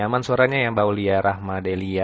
aman suaranya ya mbak ulia rahmadelia